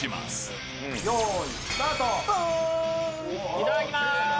いただきます。